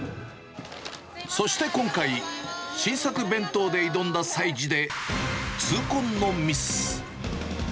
そして今回、新作弁当で挑んだ催事で、痛恨のミス。